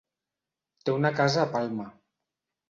Té una casa a Palma.